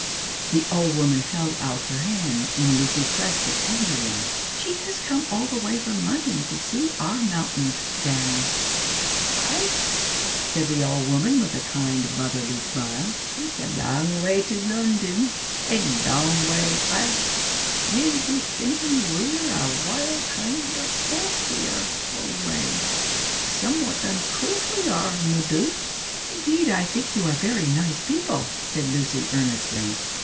The old woman held out her hand, and Lucy pressed it tenderly. "She has come all the way from London to see our mountains, granny." "Ay?" said the old woman with a kind motherly smile: "it's a lang way to Lunnon, a lang way, ay. Ye'll be thinkin' we're a wild kind o' folk here away; somewhat uncouth we are, no doot." "Indeed, I think you are very nice people," said Lucy, earnestly.